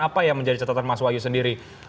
apa yang menjadi catatan mas wahyu sendiri